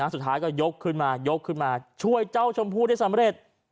สุดท้ายก็ยกขึ้นมายกขึ้นมาช่วยเจ้าชมพู่ได้สำเร็จ